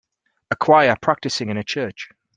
A choir practicing in a church.